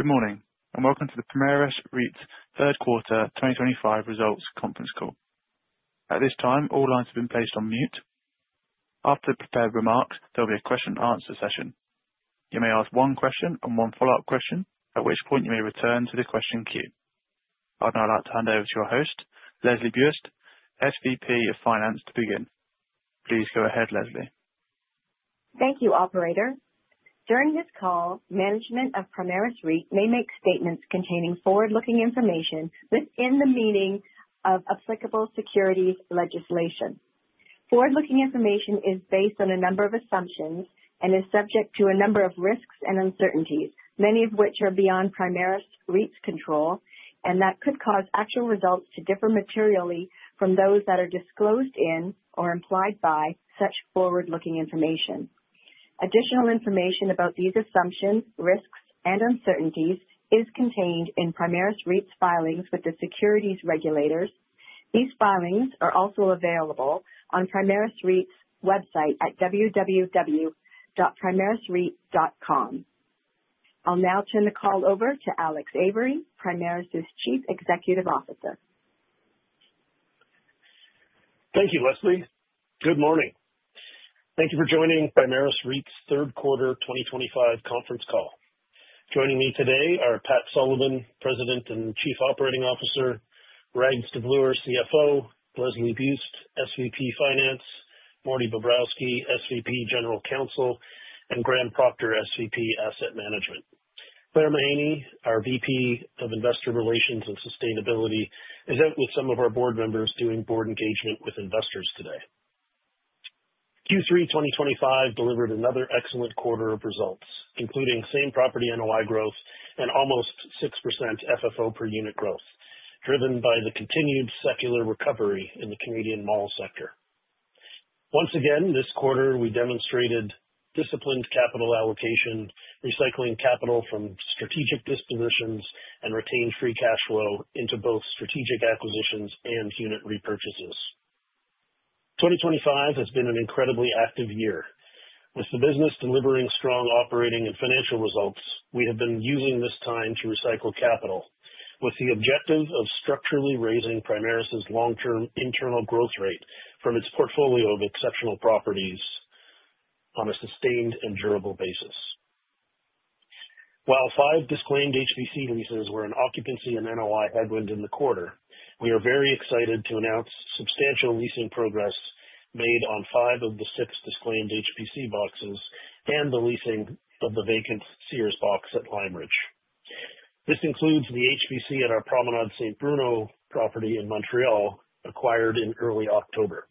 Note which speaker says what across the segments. Speaker 1: Good morning and welcome to the Primaris Real Estate Investment Trust's third quarter 2025 results conference call. At this time, all lines have been placed on mute. After the prepared remarks, there will be a question-and-answer session. You may ask one question and one follow-up question, at which point you may return to the question queue. I'd now like to hand over to your host, Leslie Buist, SVP of Finance, to begin. Please go ahead, Leslie.
Speaker 2: Thank you, Operator. During this call, management of Primaris REIT may make statements containing forward-looking information within the meaning of applicable securities legislation. Forward-looking information is based on a number of assumptions and is subject to a number of risks and uncertainties, many of which are beyond Primaris REIT's control, and that could cause actual results to differ materially from those that are disclosed in or implied by such forward-looking information. Additional information about these assumptions, risks, and uncertainties is contained in Primaris REIT's filings with the securities regulators. These filings are also available on Primaris REIT's website at www.primarisreit.com. I'll now turn the call over to Alex Avery, Primaris's Chief Executive Officer.
Speaker 3: Thank you, Leslie. Good morning. Thank you for joining Primaris REIT's third quarter 2025 conference call. Joining me today are Pat Sullivan, President and Chief Operating Officer, Rags Davloor, CFO, Leslie Buist, SVP Finance, Morty Bobrowski, SVP General Counsel, and Graham Proctor, SVP Asset Management. Claire Mahaney, our VP of Investor Relations and Sustainability, is out with some of our board members doing board engagement with investors today. Q3 2025 delivered another excellent quarter of results, including same property NOI growth and almost 6% FFO per unit growth, driven by the continued secular recovery in the Canadian mall sector. Once again, this quarter we demonstrated disciplined capital allocation, recycling capital from strategic dispositions, and retained free cash flow into both strategic acquisitions and unit repurchases. 2025 has been an incredibly active year. With the business delivering strong operating and financial results, we have been using this time to recycle capital with the objective of structurally raising Primaris's long-term internal growth rate from its portfolio of exceptional properties on a sustained and durable basis. While five disclaimed HBC leases were an occupancy and NOI headwind in the quarter, we are very excited to announce substantial leasing progress made on five of the six disclaimed HBC boxes and the leasing of the vacant Sears box at Limeridge. This includes the HBC at our Promenades St-Bruno property in Montreal, acquired in early October.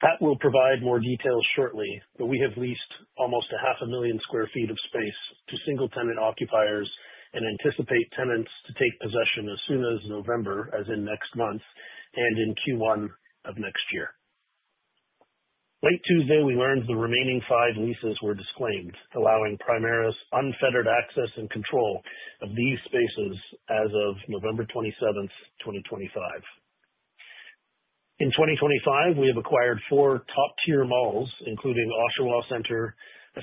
Speaker 3: Pat will provide more details shortly, but we have leased almost 500,000 sq ft of space to single-tenant occupiers and anticipate tenants to take possession as soon as November, as in next month, and in Q1 of next year. Late Tuesday, we learned the remaining five leases were disclaimed, allowing Primaris unfettered access and control of these spaces as of November 27, 2025. In 2025, we have acquired four top-tier malls, including Oshawa Centre, a 50%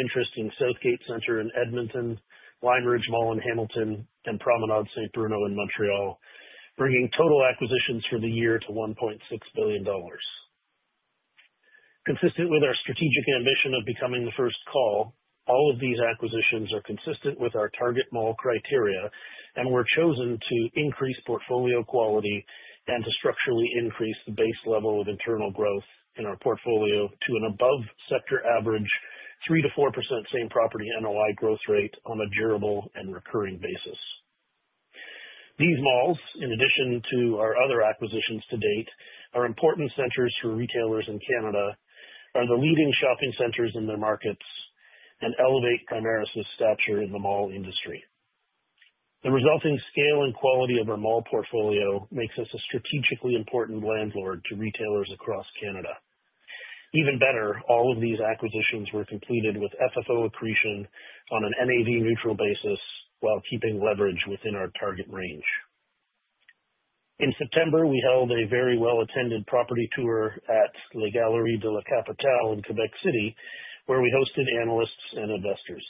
Speaker 3: interest in Southgate Centre in Edmonton, Limeridge Mall in Hamilton, and Promenades St-Bruno in Montreal, bringing total acquisitions for the year to 1.6 billion dollars. Consistent with our strategic ambition of becoming the first call, all of these acquisitions are consistent with our target mall criteria and were chosen to increase portfolio quality and to structurally increase the base level of internal growth in our portfolio to an above-sector average 3% to 4% same property NOI growth rate on a durable and recurring basis. These malls, in addition to our other acquisitions to date, are important centers for retailers in Canada, are the leading shopping centers in their markets, and elevate Primaris stature in the mall industry. The resulting scale and quality of our mall portfolio makes us a strategically important landlord to retailers across Canada. Even better, all of these acquisitions were completed with FFO accretion on an NAV-neutral basis while keeping leverage within our target range. In September, we held a very well-attended property tour at Les Galeries de la Capitale in Quebec City, where we hosted analysts and investors.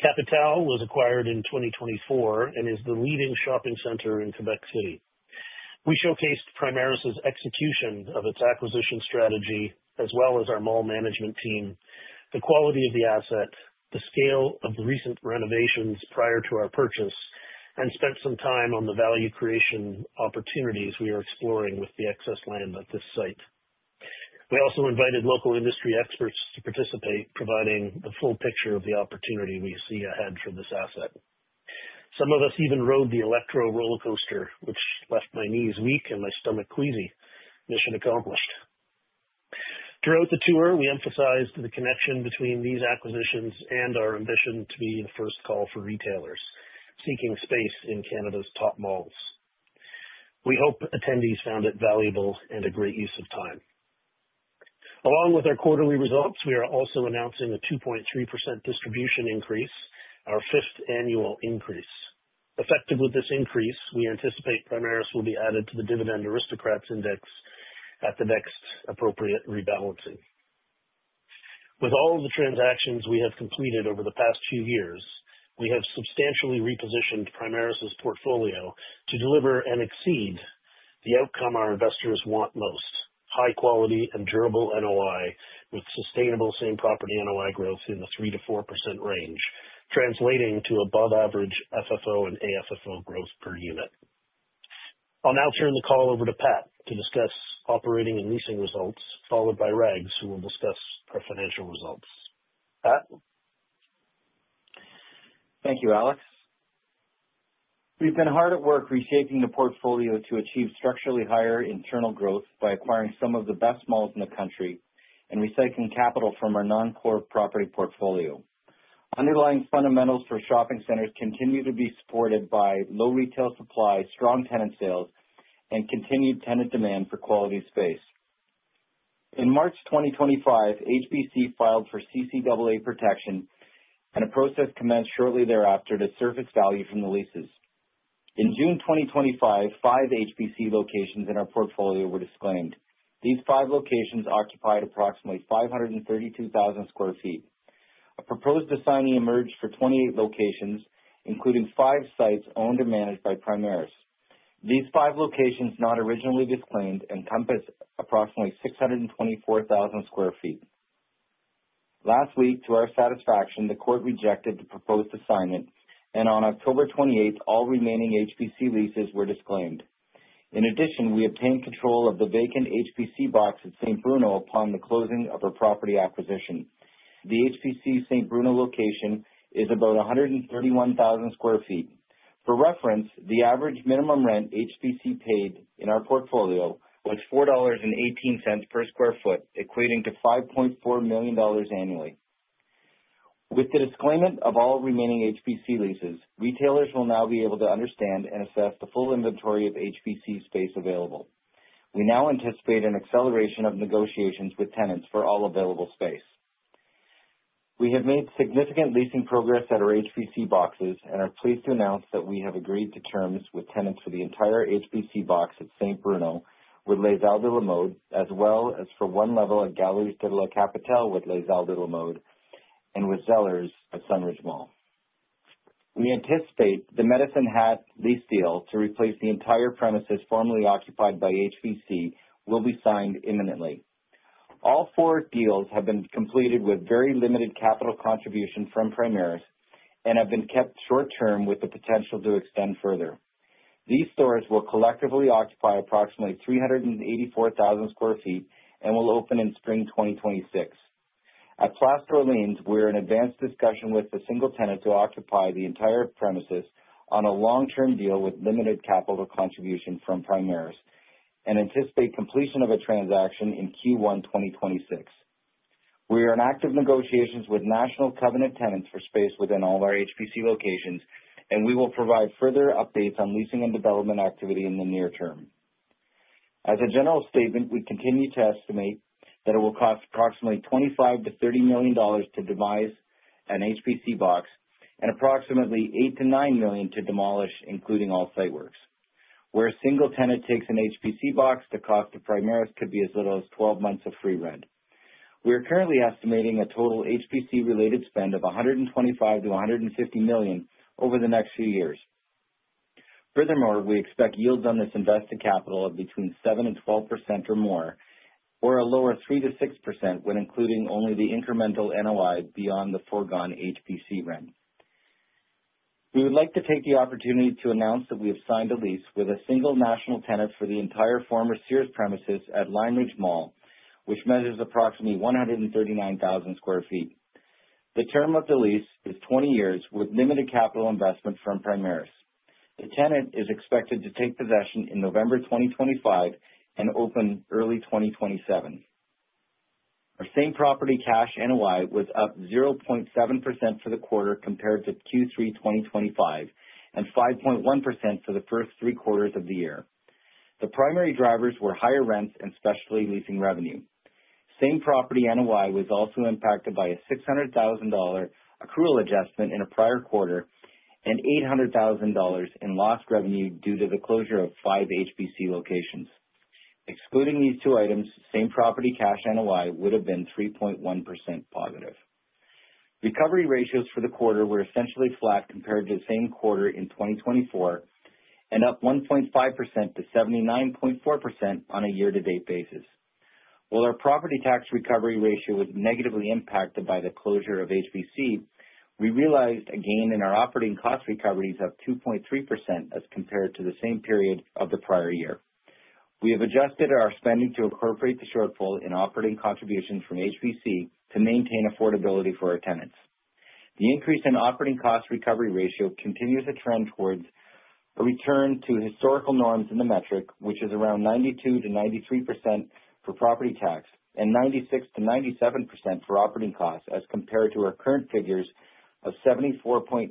Speaker 3: Capitale was acquired in 2024 and is the leading shopping center in Quebec City. We showcased Primaris's execution of its acquisition strategy, as well as our mall management team, the quality of the asset, the scale of the recent renovations prior to our purchase, and spent some time on the value creation opportunities we are exploring with the excess land at this site. We also invited local industry experts to participate, providing the full picture of the opportunity we see ahead for this asset. Some of us even rode the Electro roller coaster, which left my knees weak and my stomach queasy, mission accomplished. Throughout the tour, we emphasized the connection between these acquisitions and our ambition to be the first call for retailers seeking space in Canada's top malls. We hope attendees found it valuable and a great use of time. Along with our quarterly results, we are also announcing a 2.3% distribution increase, our fifth annual increase. Effective with this increase, we anticipate Primaris will be added to the Dividend Aristocrats Index at the next appropriate rebalancing. With all of the transactions we have completed over the past two years, we have substantially repositioned Primaris's portfolio to deliver and exceed the outcome our investors want most: high-quality and durable NOI with sustainable same property NOI growth in the 3%-4% range, translating to above-average FFO and AFFO growth per unit. I'll now turn the call over to Pat to discuss operating and leasing results, followed by Rags, who will discuss our financial results. Pat?
Speaker 4: Thank you, Alex. We've been hard at work reshaping the portfolio to achieve structurally higher internal growth by acquiring some of the best malls in the country and recycling capital from our non-core property portfolio. Underlying fundamentals for shopping centers continue to be supported by low retail supply, strong tenant sales, and continued tenant demand for quality space. In March 2025, HBC filed for CCAA protection, and a process commenced shortly thereafter to surface value from the leases. In June 2025, five HBC locations in our portfolio were disclaimed. These five locations occupied approximately 532,000 sq ft. A proposed assignee emerged for 28 locations, including five sites owned and managed by Primaris. These five locations, not originally disclaimed, encompass approximately 624,000 sq ft. Last week, to our satisfaction, the court rejected the proposed assignment, and on October 28, all remaining HBC leases were disclaimed. In addition, we obtained control of the vacant HBC box at St-Bruno upon the closing of our property acquisition. The HBC St-Bruno location is about 131,000 sq ft. For reference, the average minimum rent HBC paid in our portfolio was 4.18 dollars per sq ft, equating to 5.4 million dollars annually. With the disclaimer of all remaining HBC leases, retailers will now be able to understand and assess the full inventory of HBC space available. We now anticipate an acceleration of negotiations with tenants for all available space. We have made significant leasing progress at our HBC boxes and are pleased to announce that we have agreed to terms with tenants for the entire HBC box at St-Bruno with L'Aubainerie, as well as for one level at Les Galeries de la Capitale with L'Aubainerie and with Zellers at Sunridge Mall. We anticipate the Medicine Hat lease deal to replace the entire premises formerly occupied by HBC will be signed imminently. All four deals have been completed with very limited capital contribution from Primaris and have been kept short-term with the potential to extend further. These stores will collectively occupy approximately 384,000 sq ft and will open in spring 2026. At Place d'Orléans, we're in advanced discussion with the single tenant to occupy the entire premises on a long-term deal with limited capital contribution from Primaris and anticipate completion of a transaction in Q1 2026. We are in active negotiations with national covenant tenants for space within all our HBC locations, and we will provide further updates on leasing and development activity in the near term. As a general statement, we continue to estimate that it will cost approximately 25-30 million dollars to devise an HBC box and approximately 8-9 million to demolish, including all site works. Where a single tenant takes an HBC box, the cost to Primaris could be as little as 12 months of free rent. We are currently estimating a total HBC-related spend of 125-150 million over the next few years. Furthermore, we expect yields on this invested capital of between 7% and 12% or more, or a lower 3%-6% when including only the incremental NOI beyond the foregone HBC rent. We would like to take the opportunity to announce that we have signed a lease with a single national tenant for the entire former Sears premises at Limeridge Mall, which measures approximately 139,000 sq ft. The term of the lease is 20 years with limited capital investment from Primaris. The tenant is expected to take possession in November 2025 and open early 2027. Our same property cash NOI was up 0.7% for the quarter compared to Q3 2024 and 5.1% for the first three quarters of the year. The primary drivers were higher rents and specialty leasing revenue. Same property NOI was also impacted by a $600,000 accrual adjustment in a prior quarter and $800,000 in lost revenue due to the closure of five HBC locations. Excluding these two items, same property cash NOI would have been 3.1% positive. Recovery ratios for the quarter were essentially flat compared to the same quarter in 2024 and up 1.5% to 79.4% on a year-to-date basis. While our property tax recovery ratio was negatively impacted by the closure of HBC, we realized a gain in our operating cost recoveries of 2.3% as compared to the same period of the prior year. We have adjusted our spending to appropriate the shortfall in operating contributions from HBC to maintain affordability for our tenants. The increase in operating cost recovery ratio continues to trend towards a return to historical norms in the metric, which is around 92%-93% for property tax and 96%-97% for operating costs as compared to our current figures of 74.8%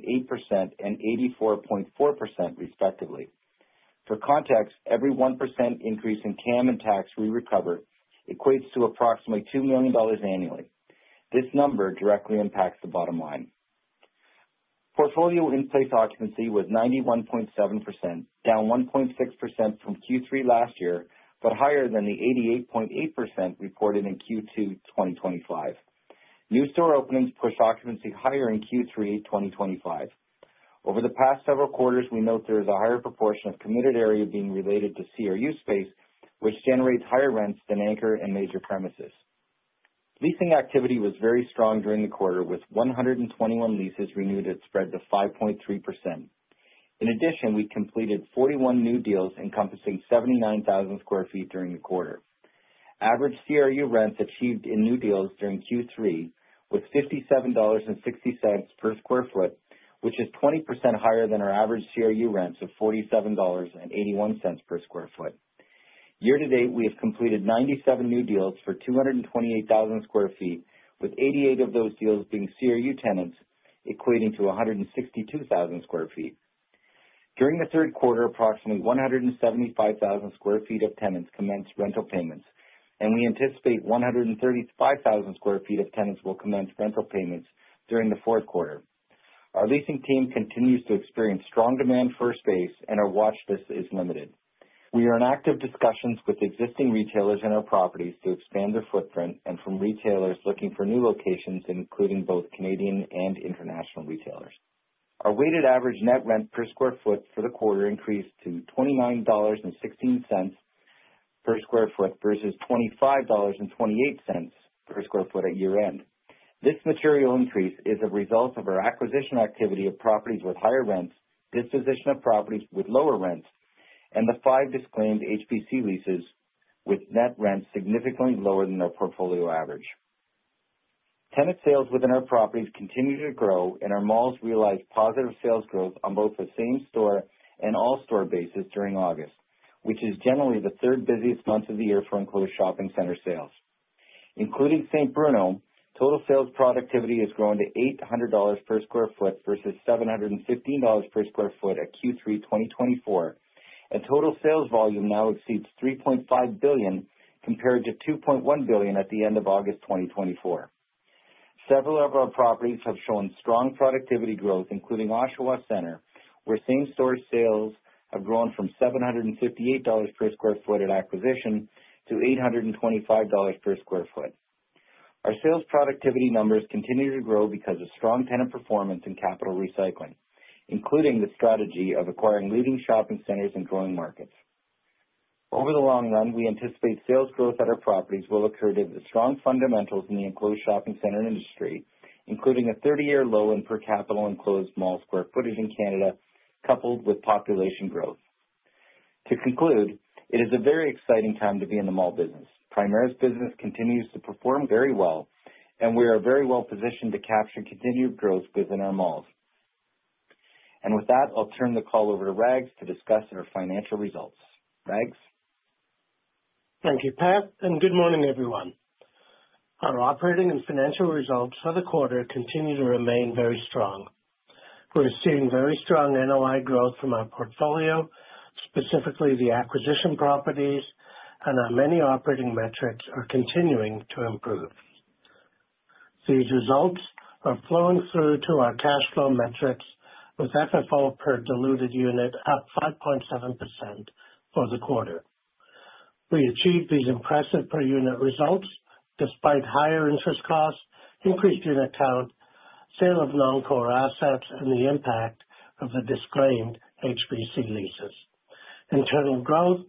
Speaker 4: and 84.4%, respectively. For context, every 1% increase in CAM and tax we recover equates to approximately 2 million dollars annually. This number directly impacts the bottom line. Portfolio in place occupancy was 91.7%, down 1.6% from Q3 last year, but higher than the 88.8% reported in Q2 2025. New store openings push occupancy higher in Q3 2025. Over the past several quarters, we note there is a higher proportion of committed area being related to CRU space, which generates higher rents than anchor and major premises. Leasing activity was very strong during the quarter, with 121 leases renewed at spread to 5.3%. In addition, we completed 41 new deals encompassing 79,000 sq ft during the quarter. Average CRU rents achieved in new deals during Q3 was $57.60 per sq ft, which is 20% higher than our average CRU rents of $47.81 per sq ft. Year-to-date, we have completed 97 new deals for 228,000 sq ft, with 88 of those deals being CRU tenants, equating to 162,000 sq ft. During the third quarter, approximately 175,000 sq ft of tenants commenced rental payments, and we anticipate 135,000 sq ft of tenants will commence rental payments during the fourth quarter. Our leasing team continues to experience strong demand for space, and our watchlist is limited. We are in active discussions with existing retailers in our properties to expand their footprint and from retailers looking for new locations, including both Canadian and international retailers. Our weighted average net rent per sq ft for the quarter increased to 29.16 dollars per sq ft versus 25.28 dollars per sq ft at year-end. This material increase is a result of our acquisition activity of properties with higher rents, disposition of properties with lower rents, and the five disclaimed HBC leases with net rents significantly lower than our portfolio average. Tenant sales within our properties continue to grow, and our malls realized positive sales growth on both the same store and all-store basis during August, which is generally the third busiest month of the year for enclosed shopping center sales. Including St. Bruno, total sales productivity has grown to 800 dollars per sq ft versus 715 dollars per sq ft at Q3 2024, and total sales volume now exceeds 3.5 billion compared to 2.1 billion at the end of August 2024. Several of our properties have shown strong productivity growth, including Oshawa Centre, where same-store sales have grown from 758 dollars per sq ft at acquisition to 825 dollars per sq ft. Our sales productivity numbers continue to grow because of strong tenant performance and capital recycling, including the strategy of acquiring leading shopping centers and growing markets. Over the long run, we anticipate sales growth at our properties will occur due to the strong fundamentals in the enclosed shopping center industry, including a 30-year low in per capita enclosed mall square footage in Canada, coupled with population growth. To conclude, it is a very exciting time to be in the mall business. Primaris business continues to perform very well, and we are very well positioned to capture continued growth within our malls. And with that, I'll turn the call over to Rags to discuss our financial results. Rags?
Speaker 5: Thank you, Pat, and good morning, everyone. Our operating and financial results for the quarter continue to remain very strong. We're seeing very strong NOI growth from our portfolio, specifically the acquisition properties, and our many operating metrics are continuing to improve. These results are flowing through to our cash flow metrics, with FFO per diluted unit up 5.7% for the quarter. We achieved these impressive per unit results despite higher interest costs, increased unit count, sale of non-core assets, and the impact of the disclaimed HBC leases. Internal growth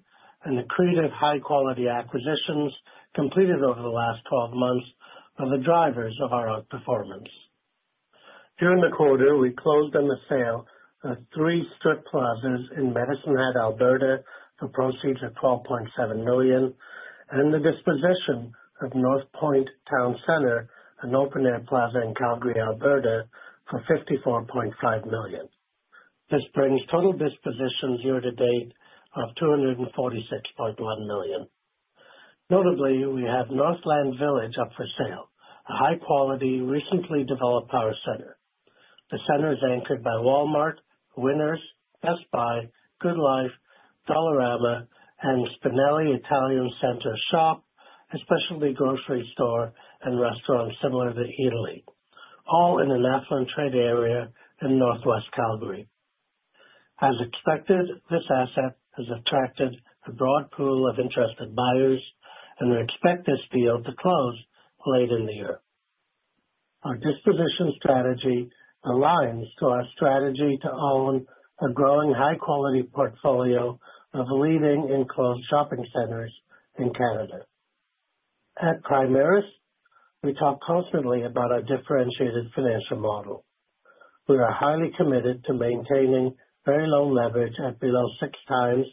Speaker 5: and the creative high-quality acquisitions completed over the last 12 months are the drivers of our outperformance. During the quarter, we closed in the sale of three strip plazas in Medicine Hat, Alberta for proceeds of 12.7 million, and the disposition of Northport Centre, an open-air plaza in Calgary, Alberta, for 54.5 million. This brings total dispositions year-to-date of 246.1 million. Notably, we have Northland Village up for sale, a high-quality, recently developed power center. The center is anchored by Walmart, Winners, Best Buy, Good Life, Dollarama, and Spinelli Italian Center Shop, a specialty grocery store and restaurant similar to Eataly, all in an affluent trade area in northwest Calgary. As expected, this asset has attracted a broad pool of interested buyers, and we expect this deal to close late in the year. Our disposition strategy aligns to our strategy to own a growing high-quality portfolio of leading enclosed shopping centers in Canada. At Primaris, we talk constantly about our differentiated financial model. We are highly committed to maintaining very low leverage at below six times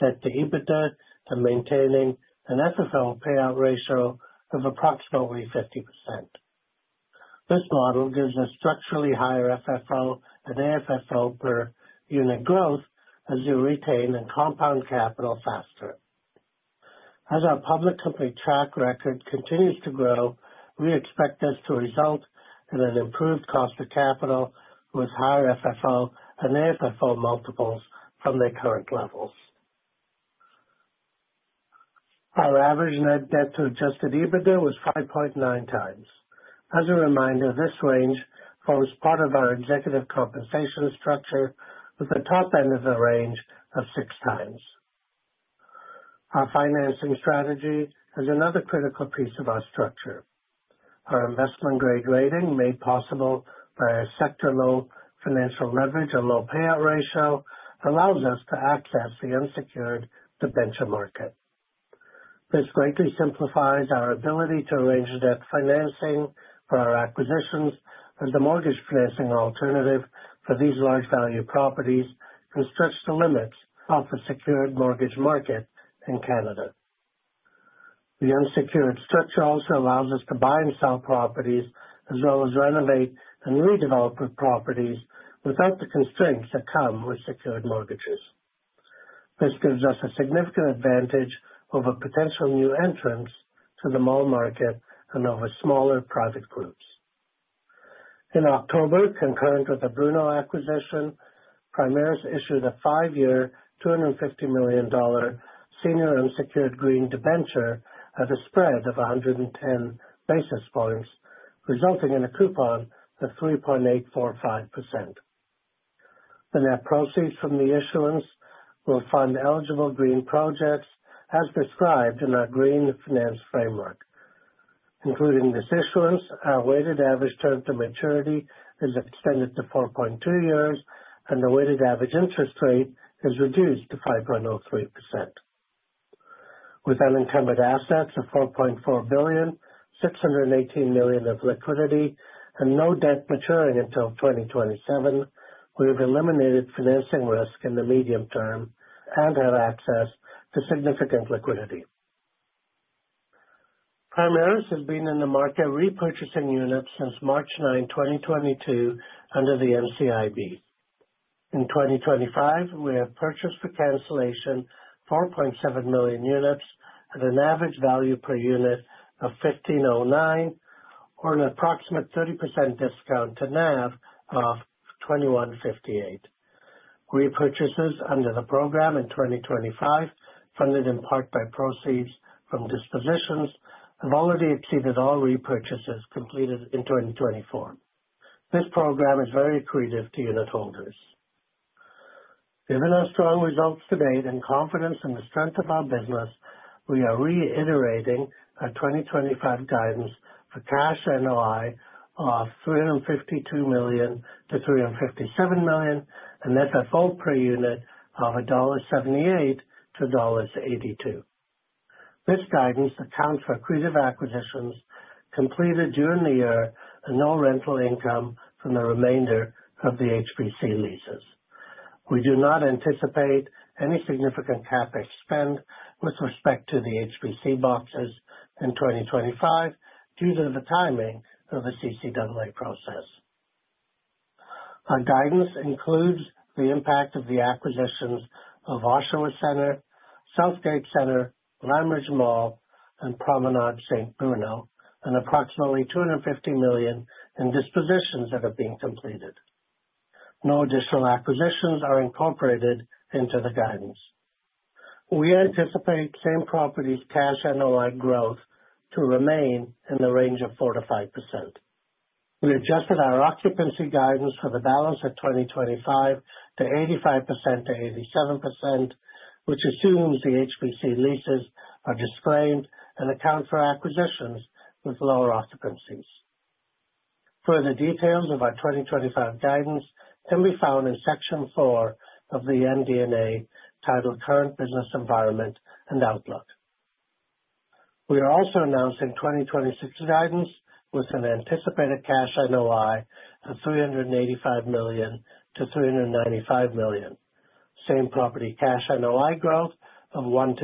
Speaker 5: debt-to-EBITDA and maintaining an FFO payout ratio of approximately 50%. This model gives us structurally higher FFO and AFFO per unit growth as we retain and compound capital faster. As our public company track record continues to grow, we expect this to result in an improved cost of capital with higher FFO and AFFO multiples from their current levels. Our average net debt-to-adjusted EBITDA was 5.9 times. As a reminder, this range forms part of our executive compensation structure with a top end of the range of six times. Our financing strategy is another critical piece of our structure. Our investment-grade rating, made possible by our sector-low financial leverage and low payout ratio, allows us to access the unsecured debenture market. This greatly simplifies our ability to arrange debt financing for our acquisitions as the mortgage financing alternative for these large-value properties and stretch the limits of the secured mortgage market in Canada. The unsecured structure also allows us to buy and sell properties as well as renovate and redevelop properties without the constraints that come with secured mortgages. This gives us a significant advantage over potential new entrants to the mall market and over smaller private groups. In October, concurrent with the Bruno acquisition, Primaris issued a five-year 250 million dollar senior unsecured green debenture at a spread of 110 basis points, resulting in a coupon of 3.845%. The net proceeds from the issuance will fund eligible green projects as described in our Green Finance Framework. Including this issuance, our weighted average term to maturity is extended to 4.2 years, and the weighted average interest rate is reduced to 5.03%. With unencumbered assets of 4.4 billion, 618 million of liquidity, and no debt maturing until 2027, we have eliminated financing risk in the medium term and have access to significant liquidity. Primaris has been in the market repurchasing units since March 9, 2022, under the NCIB. In 2025, we have purchased for cancellation 4.7 million units at an average value per unit of $1,509, or an approximate 30% discount to NAV of $2,158. Repurchases under the program in 2025, funded in part by proceeds from dispositions, have already exceeded all repurchases completed in 2024. This program is very accretive to unit holders. Given our strong results to date and confidence in the strength of our business, we are reiterating our 2025 guidance for cash NOI of $352 million-$357 million and FFO per unit of $1.78-$1.82. This guidance accounts for certain acquisitions completed during the year and no rental income from the remainder of the HBC leases. We do not anticipate any significant CapEx spend with respect to the HBC boxes in 2025 due to the timing of the CCAA process. Our guidance includes the impact of the acquisitions of Oshawa Centre, Southgate Centre, Limeridge Mall, and Promenades St-Bruno, and approximately 250 million in dispositions that have been completed. No additional acquisitions are incorporated into the guidance. We anticipate same properties' cash NOI growth to remain in the range of 4%-5%. We adjusted our occupancy guidance for the balance of 2025 to 85%-87%, which assumes the HBC leases are disclaimed and account for acquisitions with lower occupancies. Further details of our 2025 guidance can be found in Section 4 of the MD&A titled Current Business Environment and Outlook. We are also announcing 2026 guidance with an anticipated cash NOI of $385-$395 million, same property cash NOI growth of 1%-3%,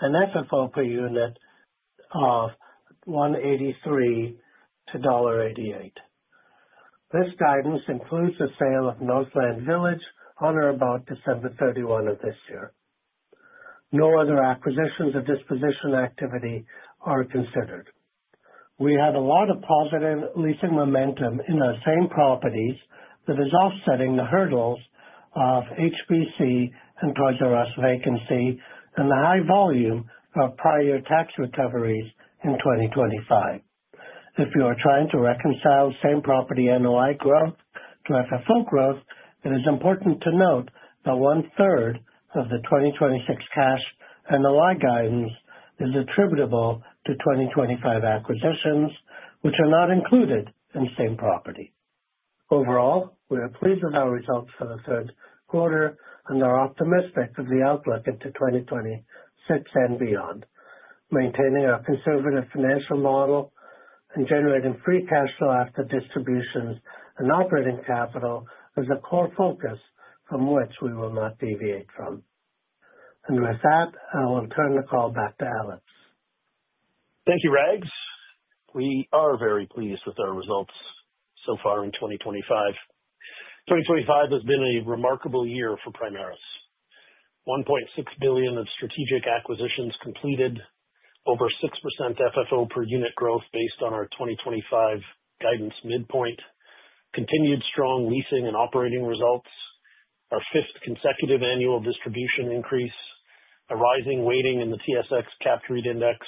Speaker 5: and FFO per unit of $1.83-$1.88. This guidance includes the sale of Northland Village on or about December 31 of this year. No other acquisitions or disposition activity are considered. We have a lot of positive leasing momentum in our same properties that is offsetting the hurdles of HBC and Toys "R" Us vacancy and the high volume of prior tax recoveries in 2025. If you are trying to reconcile same property NOI growth to FFO growth, it is important to note that one-third of the 2026 cash NOI guidance is attributable to 2025 acquisitions, which are not included in same property. Overall, we are pleased with our results for the third quarter and are optimistic of the outlook into 2026 and beyond. Maintaining our conservative financial model and generating free cash flow after distributions and operating capital is a core focus from which we will not deviate from. And with that, I will turn the call back to Alex.
Speaker 3: Thank you, Rags. We are very pleased with our results so far in 2025. 2025 has been a remarkable year for Primaris. 1.6 billion of strategic acquisitions completed, over 6% FFO per unit growth based on our 2025 guidance midpoint, continued strong leasing and operating results, our fifth consecutive annual distribution increase, a rising weighting in the TSX Capped REIT Index,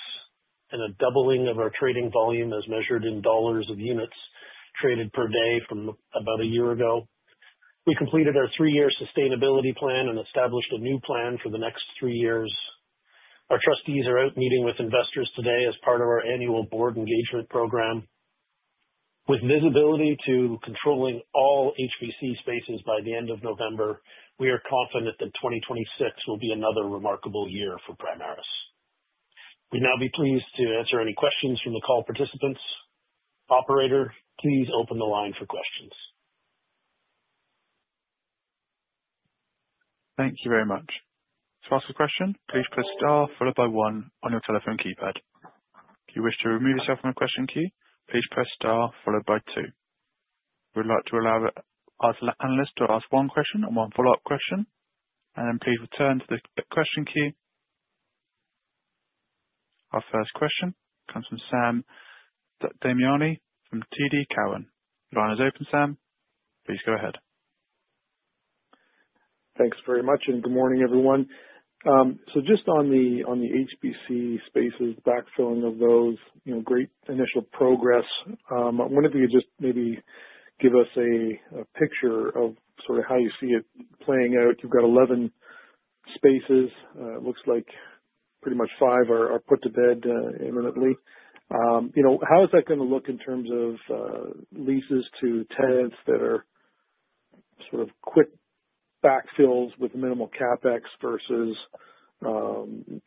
Speaker 3: and a doubling of our trading volume as measured in dollars of units traded per day from about a year ago. We completed our three-year sustainability plan and established a new plan for the next three years. Our trustees are out meeting with investors today as part of our annual board engagement program. With visibility to controlling all HBC spaces by the end of November, we are confident that 2026 will be another remarkable year for Primaris. We'd now be pleased to answer any questions from the call participants. Operator, please open the line for questions.
Speaker 1: Thank you very much. To ask a question, please press star followed by one on your telephone keypad. If you wish to remove yourself from the question queue, please press star followed by two. We'd like to allow our analyst to ask one question and one follow-up question, and then please return to the question queue. Our first question comes from Sam Damiani from TD Cowen. Line is open, Sam. Please go ahead.
Speaker 6: Thanks very much, and good morning, everyone. So just on the HBC spaces, backfilling of those, great initial progress. I wonder if you could just maybe give us a picture of sort of how you see it playing out. You've got 11 spaces. It looks like pretty much five are put to bed imminently. How is that going to look in terms of leases to tenants that are sort of quick backfills with minimal CapEx versus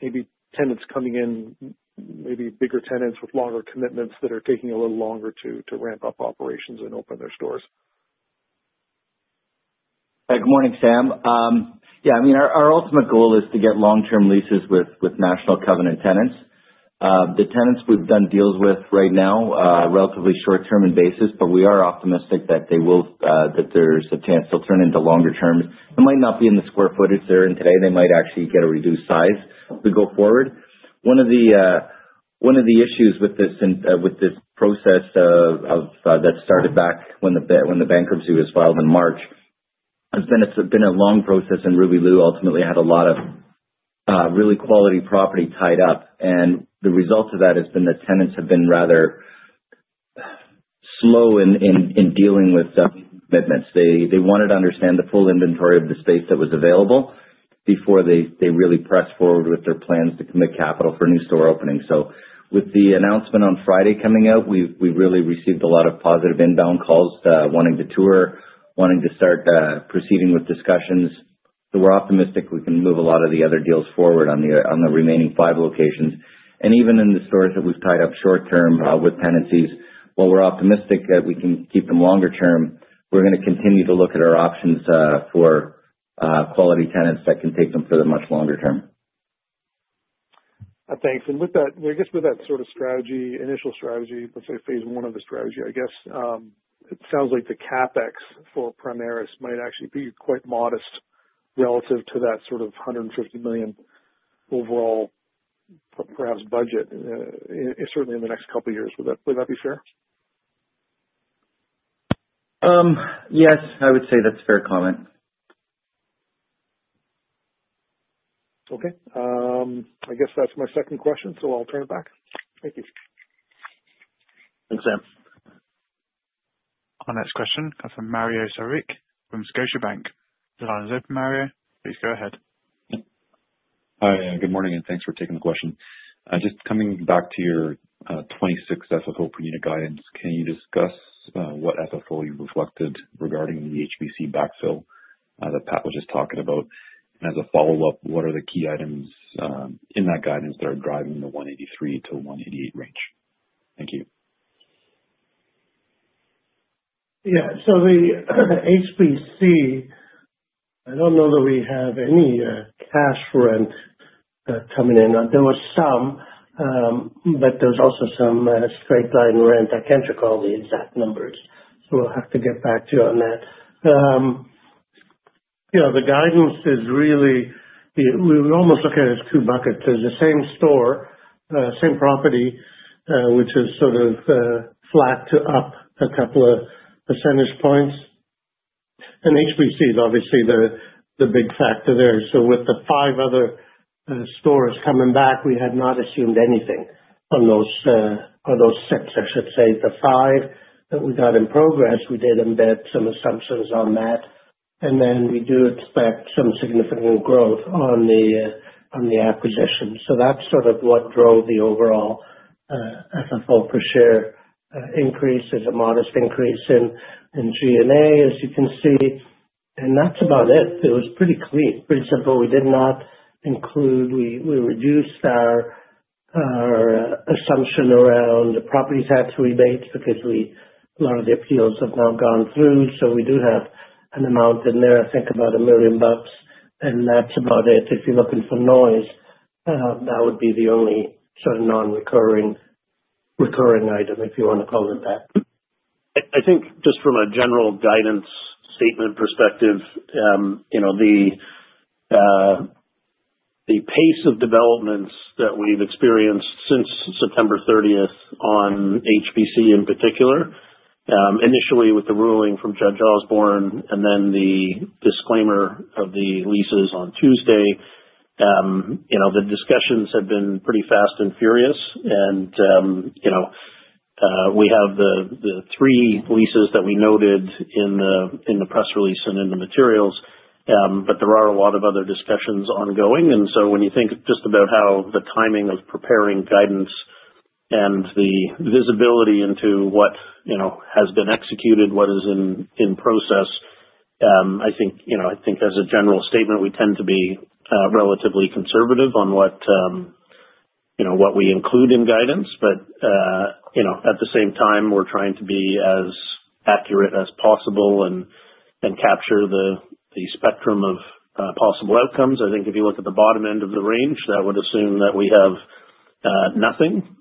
Speaker 6: maybe tenants coming in, maybe bigger tenants with longer commitments that are taking a little longer to ramp up operations and open their stores?
Speaker 4: Good morning, Sam. Yeah, I mean, our ultimate goal is to get long-term leases with national covenant tenants. The tenants we've done deals with right now are relatively short-term in basis, but we are optimistic that there's a chance they'll turn into longer-term. It might not be in the square footage they're in today. They might actually get a reduced size to go forward. One of the issues with this process that started back when the bankruptcy was filed in March has been a long process, and RioCan ultimately had a lot of really quality property tied up. And the result of that has been that tenants have been rather slow in dealing with commitments. They wanted to understand the full inventory of the space that was available before they really pressed forward with their plans to commit capital for new store openings. So, with the announcement on Friday coming out, we really received a lot of positive inbound calls wanting to tour, wanting to start proceeding with discussions. So, we're optimistic we can move a lot of the other deals forward on the remaining five locations. And even in the stores that we've tied up short-term with tenancies, while we're optimistic that we can keep them longer-term, we're going to continue to look at our options for quality tenants that can take them for the much longer term.
Speaker 6: Thanks. And I guess with that sort of strategy, initial strategy, let's say phase one of the strategy, I guess, it sounds like the CapEx for Primaris might actually be quite modest relative to that sort of 150 million overall, perhaps, budget, certainly in the next couple of years. Would that be fair?
Speaker 4: Yes, I would say that's a fair comment.
Speaker 6: Okay. I guess that's my second question, so I'll turn it back. Thank you.
Speaker 4: Thanks, Sam.
Speaker 1: Our next question comes from Mario Saric from Scotiabank. The line is open, Mario. Please go ahead.
Speaker 7: Hi, good morning, and thanks for taking the question. Just coming back to your $2.60 FFO per unit guidance, can you discuss what FFO you reflected regarding the HBC backfill that Pat was just talking about? And as a follow-up, what are the key items in that guidance that are driving the $183-$188 range? Thank you.
Speaker 5: Yeah. So the HBC, I don't know that we have any cash rent coming in. There were some, but there was also some straight line rent. I can't recall the exact numbers, so I'll have to get back to you on that. The guidance is really we would almost look at it as two buckets. There's the same store, same property, which is sort of flat to up a couple of percentage points. And HBC is obviously the big factor there. So with the five other stores coming back, we had not assumed anything on those six, I should say. The five that we got in progress, we did embed some assumptions on that. And then we do expect some significant growth on the acquisition. So that's sort of what drove the overall FFO per share increase. There's a modest increase in G&A, as you can see. That's about it. It was pretty clean, pretty simple. We did not include. We reduced our assumption around the properties had to rebate because a lot of the appeals have now gone through. So we do have an amount in there, I think, about 1 million bucks, and that's about it. If you're looking for noise, that would be the only sort of non-recurring item, if you want to call it that.
Speaker 3: I think just from a general guidance statement perspective, the pace of developments that we've experienced since September 30 on HBC in particular, initially with the ruling from Justice Osborne and then the disclaimer of the leases on Tuesday, the discussions have been pretty fast and furious, and we have the three leases that we noted in the press release and in the materials, but there are a lot of other discussions ongoing, and so when you think just about how the timing of preparing guidance and the visibility into what has been executed, what is in process, I think as a general statement, we tend to be relatively conservative on what we include in guidance. But at the same time, we're trying to be as accurate as possible and capture the spectrum of possible outcomes. I think if you look at the bottom end of the range, that would assume that we have nothing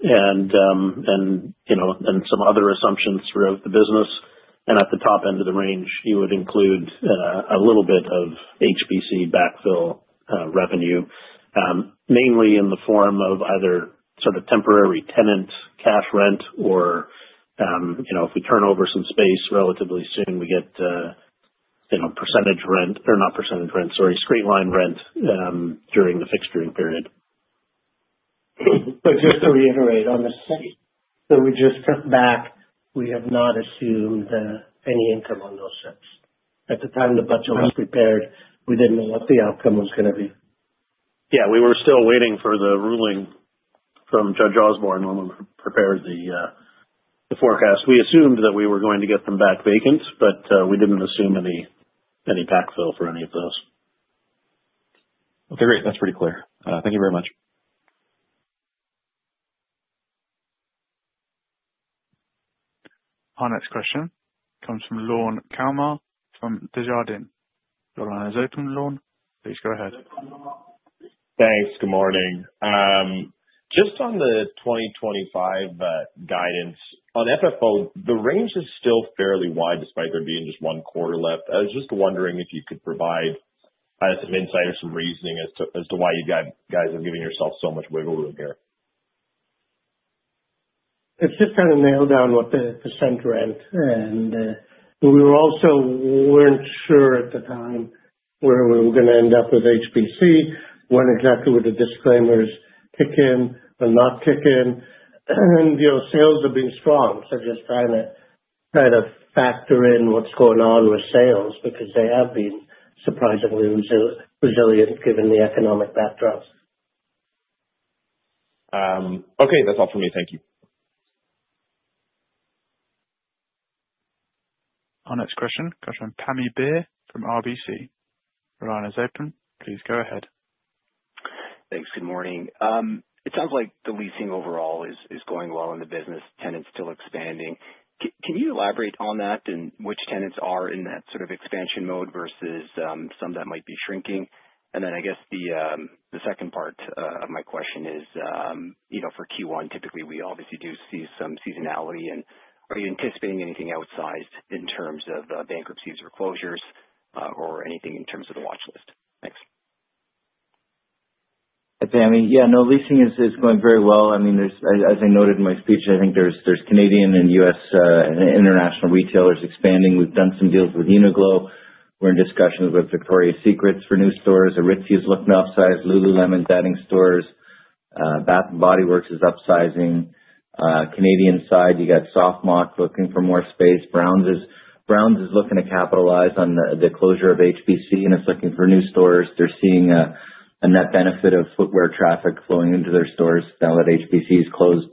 Speaker 3: and some other assumptions throughout the business, and at the top end of the range, you would include a little bit of HBC backfill revenue, mainly in the form of either sort of temporary tenant cash rent or if we turn over some space relatively soon, we get percentage rent or not percentage rent, sorry, straight line rent during the fixturing period.
Speaker 5: Just to reiterate, on the site that we just took back, we have not assumed any income on those sites. At the time the budget was prepared, we didn't know what the outcome was going to be.
Speaker 3: Yeah. We were still waiting for the ruling from Judge Osborne when we prepared the forecast. We assumed that we were going to get them back vacant, but we didn't assume any backfill for any of those.
Speaker 7: Okay. Great. That's pretty clear. Thank you very much.
Speaker 1: Our next question comes from Lorne Kalmar from Desjardins. The line is open with Lorne. Please go ahead.
Speaker 8: Thanks. Good morning. Just on the 2025 guidance, on FFO, the range is still fairly wide despite there being just one quarter left. I was just wondering if you could provide some insight or some reasoning as to why you guys are giving yourselves so much wiggle room here.
Speaker 5: It's just kind of nailed down what the percent rent. And we also weren't sure at the time where we were going to end up with HBC, when exactly would the disclaimers kick in or not kick in. And sales have been strong. So just trying to factor in what's going on with sales because they have been surprisingly resilient given the economic backdrop.
Speaker 8: Okay. That's all for me. Thank you.
Speaker 1: Our next question comes from Pammi Bir from RBC. The line is open. Please go ahead.
Speaker 9: Thanks. Good morning. It sounds like the leasing overall is going well in the business. Tenants still expanding. Can you elaborate on that and which tenants are in that sort of expansion mode versus some that might be shrinking? And then I guess the second part of my question is for Q1, typically we obviously do see some seasonality. And are you anticipating anything outsized in terms of bankruptcies or closures or anything in terms of the watch list? Thanks.
Speaker 4: Pammi, yeah, no, leasing is going very well. I mean, as I noted in my speech, I think there's Canadian and US and international retailers expanding. We've done some deals with Uniqlo. We're in discussions with Victoria's Secret for new stores. Aritzia is looking to upsize. Lululemon's adding stores. Bath & Body Works is upsizing. Canadian side, you got SoftMoc looking for more space. Browns is looking to capitalize on the closure of HBC, and it's looking for new stores. They're seeing a net benefit of footwear traffic flowing into their stores now that HBC is closed.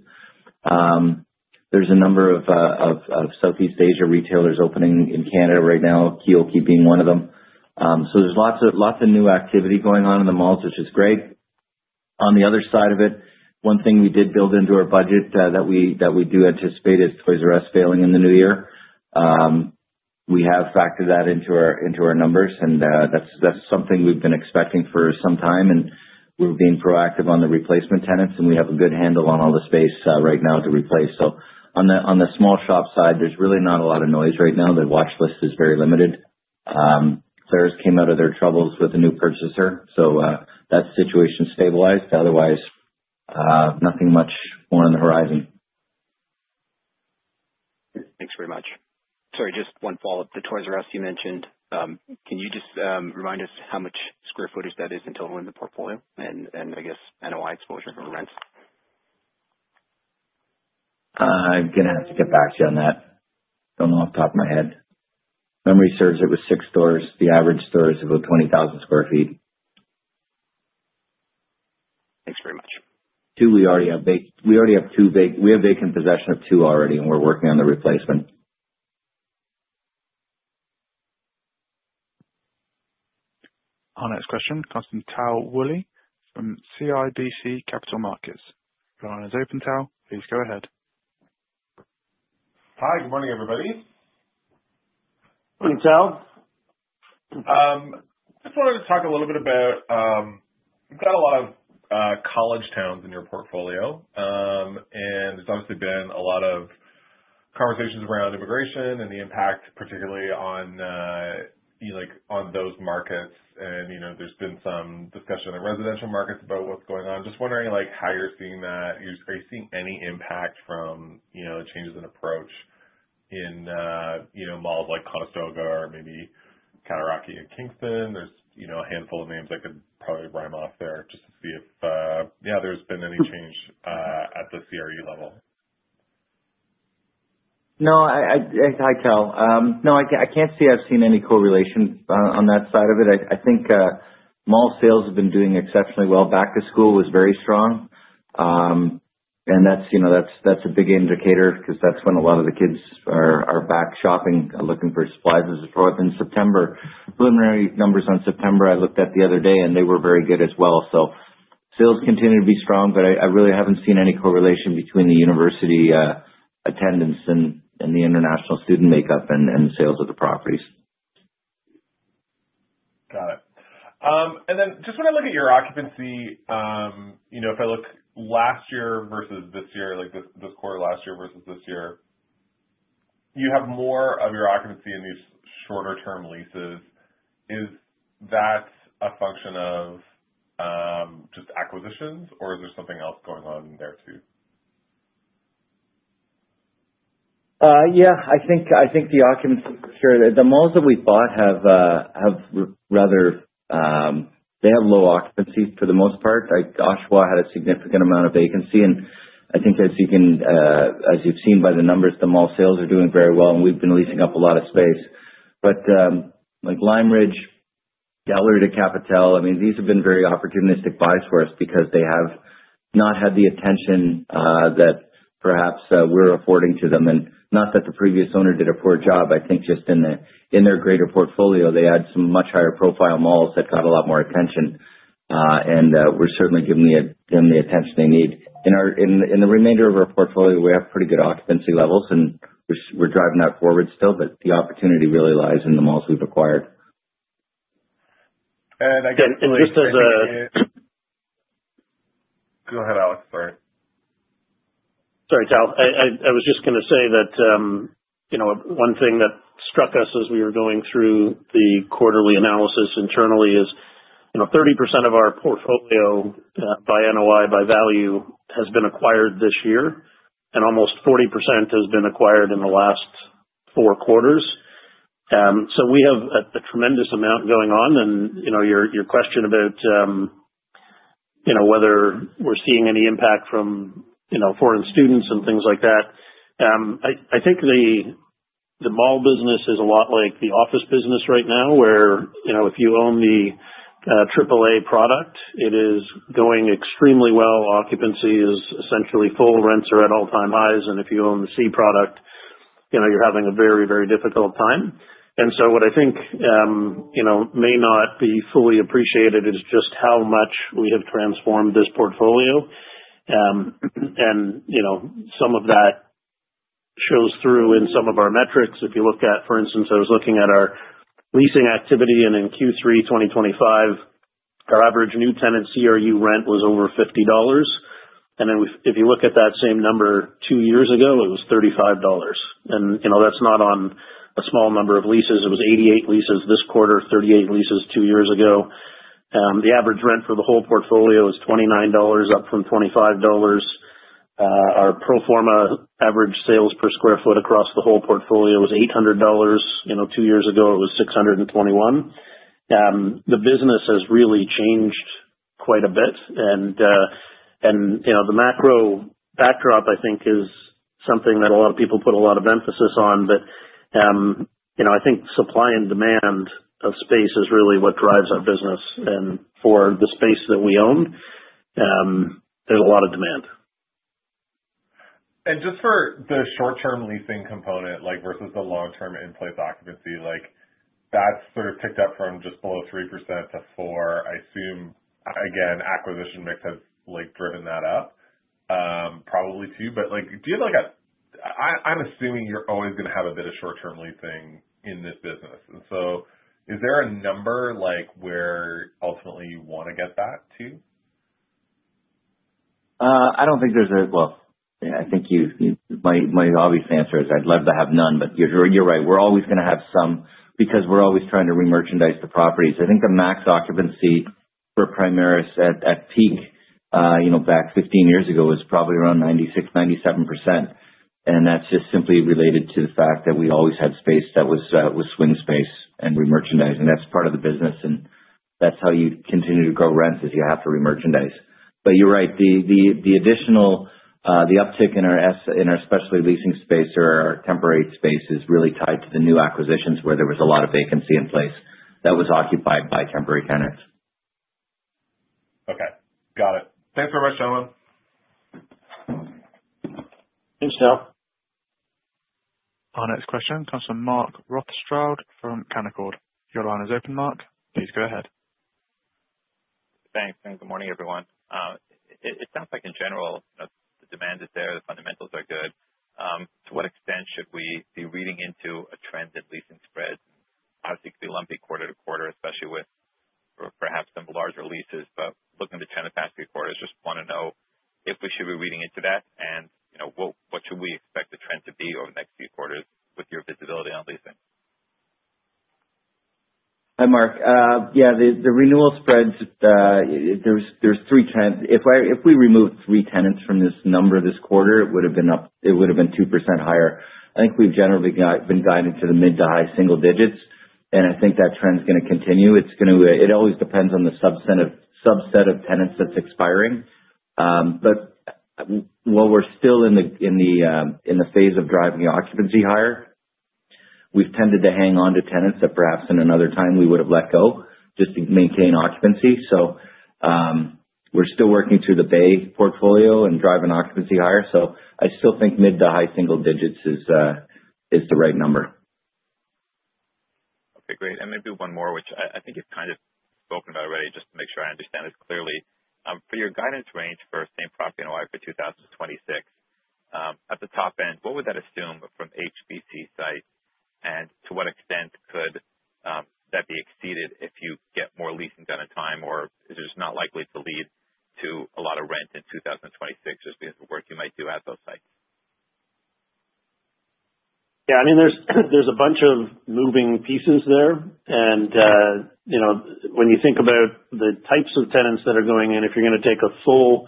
Speaker 4: There's a number of Southeast Asia retailers opening in Canada right now, Kiokii being one of them. So there's lots of new activity going on in the malls, which is great. On the other side of it, one thing we did build into our budget that we do anticipate is Toys "R" Us failing in the new year. We have factored that into our numbers, and that's something we've been expecting for some time, and we're being proactive on the replacement tenants, and we have a good handle on all the space right now to replace, so on the small shop side, there's really not a lot of noise right now. The watch list is very limited. Claire's came out of their troubles with a new purchaser, so that situation stabilized. Otherwise, nothing much more on the horizon.
Speaker 9: Thanks very much. Sorry, just one follow-up. The Toys "R" Us you mentioned, can you just remind us how much square footage that is in total in the portfolio and, I guess, NOI exposure for rents?
Speaker 4: I'm going to have to get back to you on that. Don't know off the top of my head. Memory serves it was six stores. The average store is about 20,000 sq ft.
Speaker 9: Thanks very much.
Speaker 4: Two, we already have vacant. We already have two vacant. We have vacant possession of two already, and we're working on the replacement.
Speaker 1: Our next question comes from Tal Woolley from CIBC Captial Markets. The line is open, Tal. Please go ahead.
Speaker 10: Hi. Good morning, everybody.
Speaker 4: Morning, Tao.
Speaker 10: Just wanted to talk a little bit about we've got a lot of college towns in your portfolio, and there's obviously been a lot of conversations around immigration and the impact, particularly on those markets, and there's been some discussion in residential markets about what's going on. Just wondering how you're seeing that. Are you seeing any impact from changes in approach in malls like Conestoga or maybe Cataraqui and Kingston? There's a handful of names I could probably reel off there just to see if, yeah, there's been any change at the CRE level.
Speaker 4: No, I can't tell. No, I can't say I've seen any correlation on that side of it. I think mall sales have been doing exceptionally well. Back to school was very strong, and that's a big indicator because that's when a lot of the kids are back shopping and looking for supplies as it's brought in September. Preliminary numbers on September I looked at the other day, and they were very good as well. So sales continue to be strong, but I really haven't seen any correlation between the university attendance and the international student makeup and sales of the properties.
Speaker 10: Got it. And then just when I look at your occupancy, if I look last year versus this year, this quarter last year versus this year, you have more of your occupancy in these shorter-term leases. Is that a function of just acquisitions, or is there something else going on there too?
Speaker 4: Yeah. I think the occupancy for sure. The malls that we bought have low occupancy for the most part. Oshawa had a significant amount of vacancy. And I think as you've seen by the numbers, the mall sales are doing very well, and we've been leasing up a lot of space. But Lime Ridge, Galeries de la Capitale, I mean, these have been very opportunistic buys for us because they have not had the attention that perhaps we're affording to them. And not that the previous owner did a poor job. I think just in their greater portfolio, they had some much higher profile malls that got a lot more attention, and we're certainly giving them the attention they need. In the remainder of our portfolio, we have pretty good occupancy levels, and we're driving that forward still, but the opportunity really lies in the malls we've acquired.
Speaker 10: I guess just as a.... Go ahead, Alex, sorry.
Speaker 3: Sorry, Tal. I was just going to say that one thing that struck us as we were going through the quarterly analysis internally is 30% of our portfolio by NOI by value has been acquired this year, and almost 40% has been acquired in the last four quarters. So we have a tremendous amount going on. And your question about whether we're seeing any impact from foreign students and things like that, I think the mall business is a lot like the office business right now, where if you own the AAA product, it is going extremely well. Occupancy is essentially full. Rents are at all-time highs. And if you own the C product, you're having a very, very difficult time. And so what I think may not be fully appreciated is just how much we have transformed this portfolio. Some of that shows through in some of our metrics. If you look at, for instance, I was looking at our leasing activity, and in Q3 2025, our average new tenant CRU rent was over 50 dollars. And then if you look at that same number two years ago, it was 35 dollars. And that's not on a small number of leases. It was 88 leases this quarter, 38 leases two years ago. The average rent for the whole portfolio is 29 dollars, up from 25 dollars. Our pro forma average sales per sq ft across the whole portfolio was 800 dollars. Two years ago, it was 621. The business has really changed quite a bit. The macro backdrop, I think, is something that a lot of people put a lot of emphasis on. But I think supply and demand of space is really what drives our business. For the space that we own, there's a lot of demand.
Speaker 10: And just for the short-term leasing component versus the long-term in-place occupancy, that's sort of ticked up from just below 3% to 4%. I assume, again, acquisition mix has driven that up, probably too. But do you have a, I'm assuming you're always going to have a bit of short-term leasing in this business. And so is there a number where ultimately you want to get that too?
Speaker 4: I don't think there's—well, I think my obvious answer is I'd love to have none, but you're right. We're always going to have some because we're always trying to re-merchandise the properties. I think the max occupancy for Primaris at peak back 15 years ago was probably around 96%-97%. And that's just simply related to the fact that we always had space that was swing space and re-merchandising. That's part of the business. And that's how you continue to grow rents is you have to re-merchandise. But you're right. The additional uptick in our specialty leasing space or our temporary space is really tied to the new acquisitions where there was a lot of vacancy in place that was occupied by temporary tenants.
Speaker 10: Okay. Got it. Thanks very much.
Speaker 3: Thanks, Tal.
Speaker 1: Our next question comes from Mark Rothschild from Canaccord. Your line is open, Mark. Please go ahead.
Speaker 11: Thanks and good morning, everyone. It sounds like, in general, the demand is there. The fundamentals are good. To what extent should we be reading into a trend in leasing spreads? Obviously, it could be lumpy quarter to quarter, especially with perhaps some larger leases. But looking at the trend of past few quarters, just want to know if we should be reading into that, and what should we expect the trend to be over the next few quarters with your visibility on leasing?
Speaker 4: Hi, Mark. Yeah, the renewal spreads. There's three trends. If we remove three tenants from this number this quarter, it would have been up. It would have been 2% higher. I think we've generally been guided to the mid- to high-single digits, and I think that trend's going to continue. It always depends on the subset of tenants that's expiring, but while we're still in the phase of driving occupancy higher, we've tended to hang on to tenants that perhaps in another time we would have let go just to maintain occupancy, so we're still working through the Bay portfolio and driving occupancy higher, so I still think mid- to high-single digits is the right number.
Speaker 9: Okay. Great. And maybe one more, which I think you've kind of spoken about already, just to make sure I understand this clearly. For your guidance range for same property NOI for 2026, at the top end, what would that assume from HBC sites? And to what extent could that be exceeded if you get more leasing done in time, or is it just not likely to lead to a lot of rent in 2026 just because of the work you might do at those sites?
Speaker 3: Yeah. I mean, there's a bunch of moving pieces there. And when you think about the types of tenants that are going in, if you're going to take a full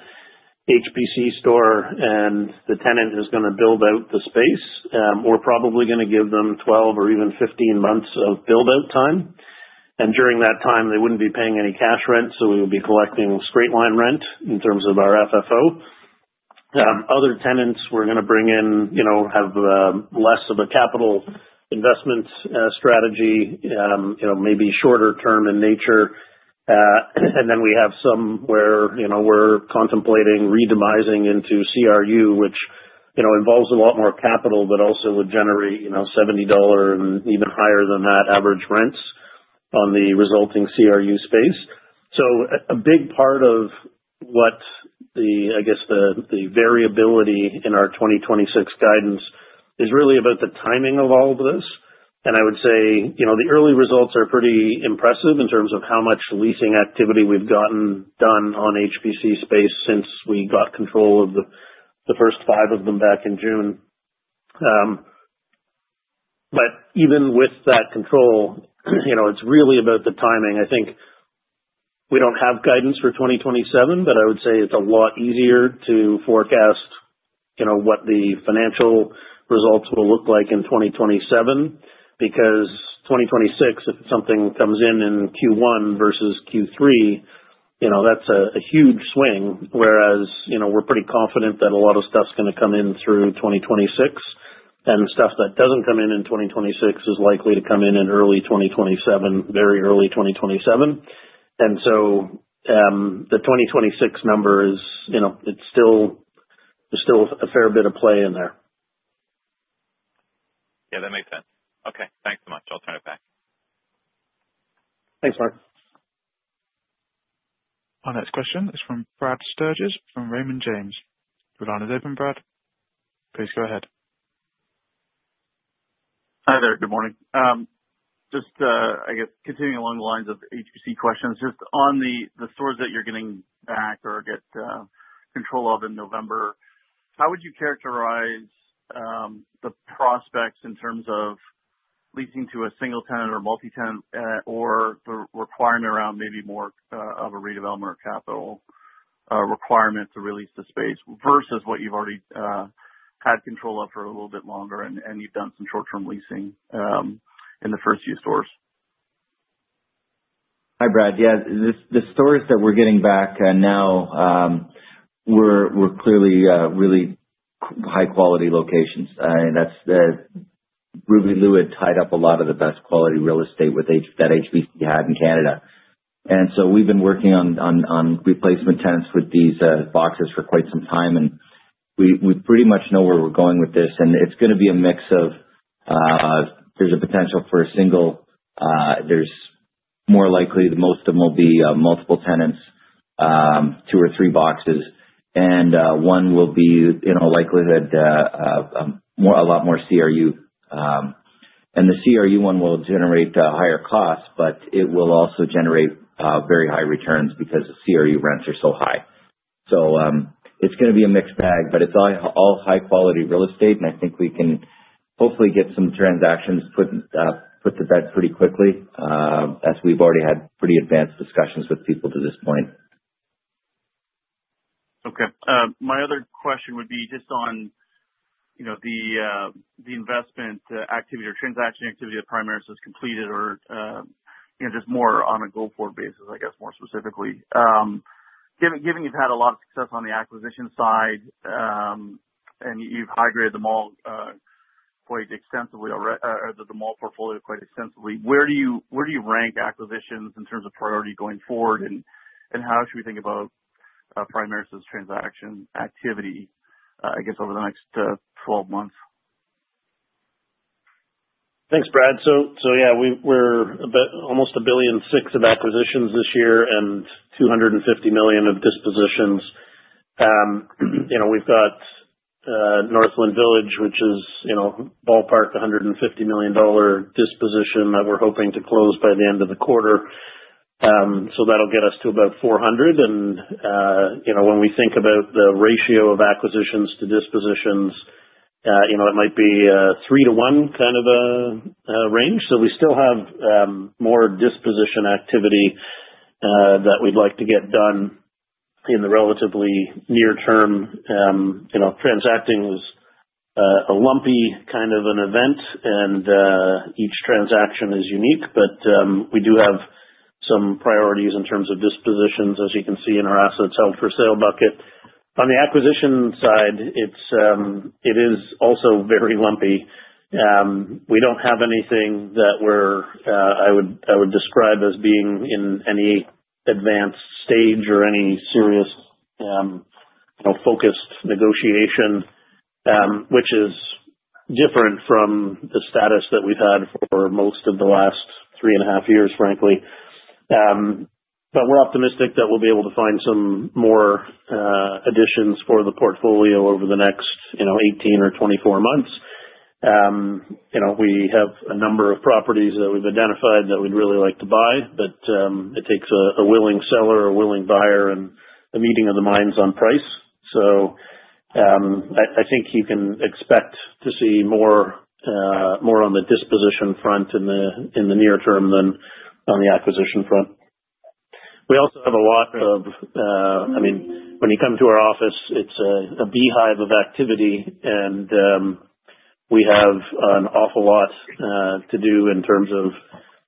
Speaker 3: HBC store and the tenant is going to build out the space, we're probably going to give them 12 or even 15 months of build-out time. And during that time, they wouldn't be paying any cash rent, so we would be collecting straight-line rent in terms of our FFO. Other tenants we're going to bring in have less of a capital investment strategy, maybe shorter-term in nature. And then we have some where we're contemplating re-demising into CRU, which involves a lot more capital but also would generate 70 dollars and even higher than that average rents on the resulting CRU space. So a big part of what, I guess, the variability in our 2026 guidance is really about the timing of all of this. And I would say the early results are pretty impressive in terms of how much leasing activity we've gotten done on HBC space since we got control of the first five of them back in June. But even with that control, it's really about the timing. I think we don't have guidance for 2027, but I would say it's a lot easier to forecast what the financial results will look like in 2027 because 2026, if something comes in in Q1 versus Q3, that's a huge swing, whereas we're pretty confident that a lot of stuff's going to come in through 2026. And stuff that doesn't come in in 2026 is likely to come in in early 2027, very early 2027. And so, the 2026 number, it's still a fair bit of play in there.
Speaker 11: Yeah, that makes sense. Okay. Thanks so much. I'll turn it back.
Speaker 3: Thanks, Mark.
Speaker 1: Our next question is from Brad Sturges from Raymond James. Your line is open, Brad. Please go ahead.
Speaker 12: Hi there. Good morning. Just, I guess, continuing along the lines of HBC questions, just on the stores that you're getting back or get control of in November, how would you characterize the prospects in terms of leasing to a single tenant or multi-tenant or the requirement around maybe more of a redevelopment or capital requirement to re-lease the space versus what you've already had control of for a little bit longer and you've done some short-term leasing in the first few stores?
Speaker 4: Hi, Brad. Yeah. The stores that we're getting back now were clearly really high-quality locations. RioCan tied up a lot of the best quality real estate that HBC had in Canada. And so we've been working on replacement tenants with these boxes for quite some time, and we pretty much know where we're going with this. And it's going to be a mix of. There's a potential for a single. There's more likely most of them will be multiple tenants, two or three boxes, and one will be likely to have a lot more CRU. And the CRU one will generate a higher cost, but it will also generate very high returns because the CRU rents are so high. So it's going to be a mixed bag, but it's all high-quality real estate, and I think we can hopefully get some transactions put to bed pretty quickly as we've already had pretty advanced discussions with people to this point.
Speaker 12: Okay. My other question would be just on the investment activity or transaction activity that Primaris has completed or just more on a go-forward basis, I guess, more specifically. Given you've had a lot of success on the acquisition side and you've high-graded the mall quite extensively or the mall portfolio quite extensively, where do you rank acquisitions in terms of priority going forward, and how should we think about Primaris's transaction activity, I guess, over the next 12 months?
Speaker 3: Thanks, Brad. So yeah, we're almost 1.6 billion of acquisitions this year and 250 million of dispositions. We've got Northland Village, which is ballpark 150 million dollar disposition that we're hoping to close by the end of the quarter. So that'll get us to about 400 million. And when we think about the ratio of acquisitions to dispositions, it might be a three-to-one kind of a range. So we still have more disposition activity that we'd like to get done in the relatively near term. Transacting is a lumpy kind of an event, and each transaction is unique, but we do have some priorities in terms of dispositions, as you can see in our assets held for sale bucket. On the acquisition side, it is also very lumpy. We don't have anything that I would describe as being in any advanced stage or any serious focused negotiation, which is different from the status that we've had for most of the last three and a half years, frankly. But we're optimistic that we'll be able to find some more additions for the portfolio over the next 18 or 24 months. We have a number of properties that we've identified that we'd really like to buy, but it takes a willing seller or a willing buyer, and the meeting of the minds on price. So I think you can expect to see more on the disposition front in the near term than on the acquisition front. We also have a lot of I mean, when you come to our office, it's a beehive of activity, and we have an awful lot to do in terms of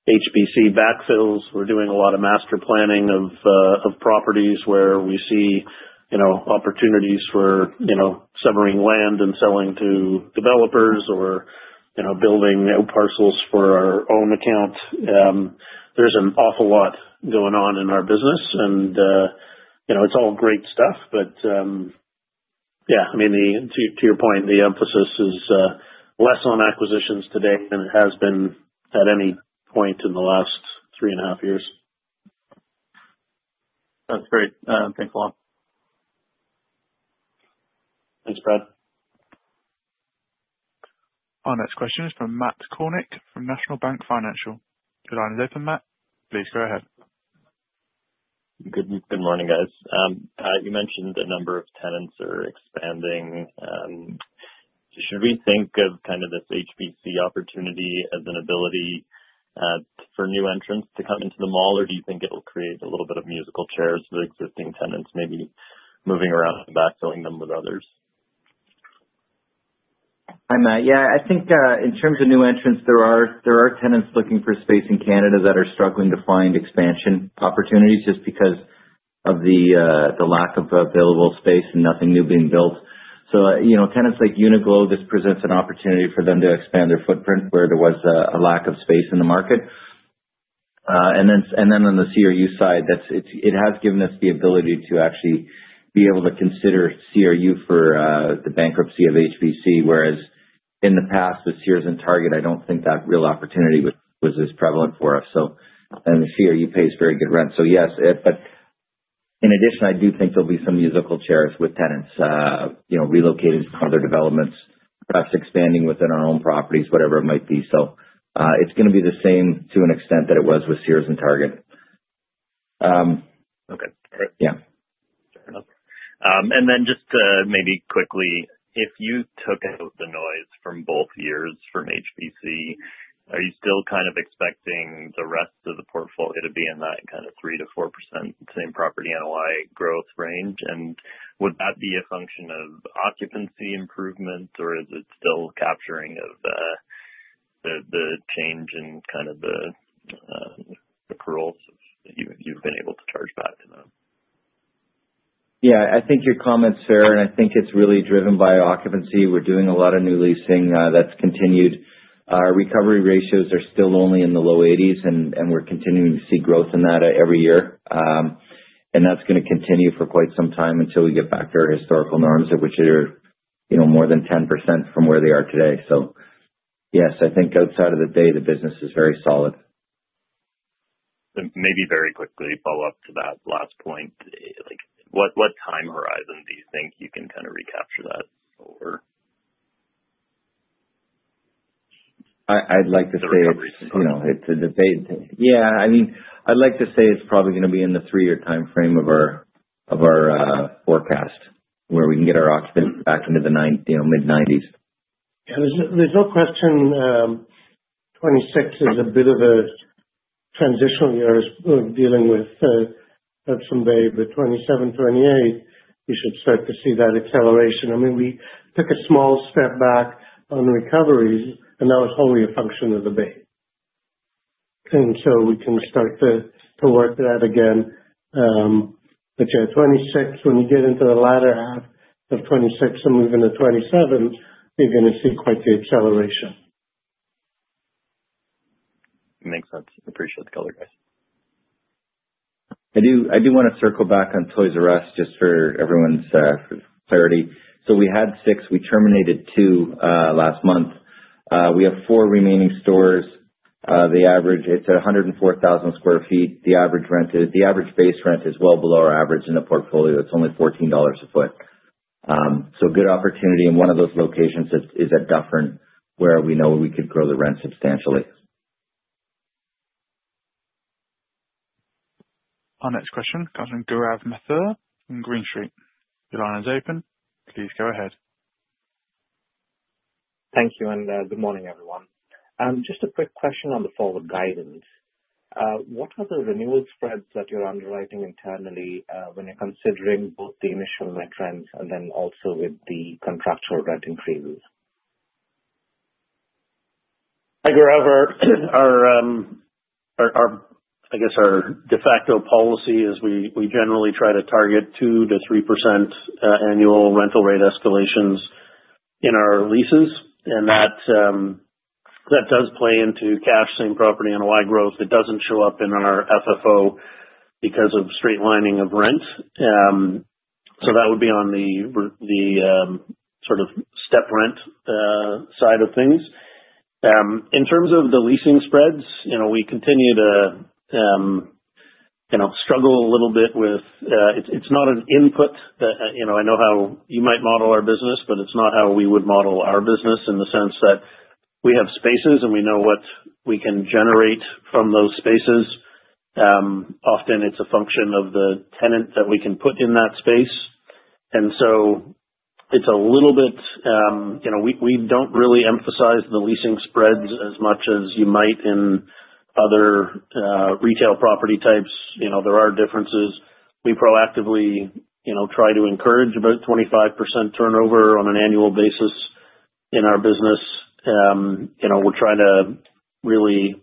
Speaker 3: HBC backfills. We're doing a lot of master planning of properties where we see opportunities for surplus land and selling to developers or building parcels for our own account. There's an awful lot going on in our business, and it's all great stuff. But yeah, I mean, to your point, the emphasis is less on acquisitions today than it has been at any point in the last three and a half years.
Speaker 12: That's great. Thanks a lot.
Speaker 3: Thanks, Brad.
Speaker 1: Our next question is from Matt Cornick from National Bank Financial. Your line is open, Matt. Please go ahead.
Speaker 13: Good morning, guys. You mentioned a number of tenants are expanding. Should we think of kind of this HBC opportunity as an ability for new entrants to come into the mall, or do you think it will create a little bit of musical chairs for existing tenants, maybe moving around and backfilling them with others?
Speaker 4: Hi, Matt. Yeah, I think in terms of new entrants, there are tenants looking for space in Canada that are struggling to find expansion opportunities just because of the lack of available space and nothing new being built, so tenants like Uniqlo. This presents an opportunity for them to expand their footprint where there was a lack of space in the market, and then on the CRU side, it has given us the ability to actually be able to consider CRU for the bankruptcy of HBC, whereas in the past with Sears and Target, I don't think that real opportunity was as prevalent for us, and the CRU pays very good rent, so yes. But in addition, I do think there'll be some musical chairs with tenants relocating from other developments, perhaps expanding within our own properties, whatever it might be. So it's going to be the same to an extent that it was with Sears and Target.
Speaker 13: Okay. Great.
Speaker 4: Yeah.
Speaker 13: And then just maybe quickly, if you took out the noise from both years from HBC, are you still kind of expecting the rest of the portfolio to be in that kind of 3%-4% same property NOI growth range? And would that be a function of occupancy improvement, or is it still capturing of the change in kind of the CAMs that you've been able to charge back to them?
Speaker 4: Yeah. I think your comment's fair, and I think it's really driven by occupancy. We're doing a lot of new leasing that's continued. Our recovery ratios are still only in the low 80s, and we're continuing to see growth in that every year, and that's going to continue for quite some time until we get back to our historical norms, which are more than 10% from where they are today, so yes, I think outside of today, the business is very solid.
Speaker 13: Maybe very quickly, follow up to that last point. What time horizon do you think you can kind of recapture that, or?
Speaker 4: I'd like to say it's a debate. Yeah. I mean, I'd like to say it's probably going to be in the three-year timeframe of our forecast where we can get our occupancy back into the mid-90s.
Speaker 5: Yeah. There's no question 2026 is a bit of a transitional year dealing with Hudson's Bay. But 2027, 2028, you should start to see that acceleration. I mean, we took a small step back on recoveries, and that was only a function of the Bay. And so we can start to work that again. But yeah, 2026, when you get into the latter half of 2026 and move into 2027, you're going to see quite the acceleration.
Speaker 13: Makes sense. Appreciate the color, guys.
Speaker 4: I do want to circle back on Toys "R" Us, just for everyone's clarity. So we had six. We terminated two last month. We have four remaining stores. It's 104,000 sq ft. The average base rent is well below our average in the portfolio. It's only 14 dollars a sq ft. So good opportunity. And one of those locations is at Dufferin Mall, where we know we could grow the rent substantially.
Speaker 1: Our next question, Gaurav Mathur from Green Street. Your line is open. Please go ahead.
Speaker 14: Thank you. Good morning, everyone. Just a quick question on the forward guidance. What are the renewal spreads that you're underwriting internally when you're considering both the initial net rents and then also with the contractual rent increases?
Speaker 3: I guess our de facto policy is we generally try to target 2%-3% annual rental rate escalations in our leases. And that does play into cash, same property, NOI growth. It doesn't show up in our FFO because of straightlining of rent. So that would be on the sort of step rent side of things. In terms of the leasing spreads, we continue to struggle a little bit with it's not an input. I know how you might model our business, but it's not how we would model our business in the sense that we have spaces and we know what we can generate from those spaces. Often, it's a function of the tenant that we can put in that space. And so it's a little bit we don't really emphasize the leasing spreads as much as you might in other retail property types. There are differences. We proactively try to encourage about 25% turnover on an annual basis in our business. We're trying to really